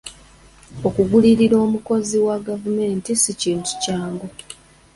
Okugulirira omukozi wa gavumenti si kintu kyangu.